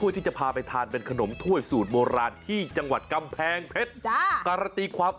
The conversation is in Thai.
ถ้าจะผ่าไปทานเป็นขนมถ้วยสูตรโมลาที่จังหวัดกำแพงเผ็ดจากกรตีความ